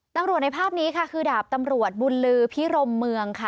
ตำรวจในภาพนี้คือดาบตำรวจบุญลือพิรมเมือง